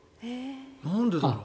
なんでだろう。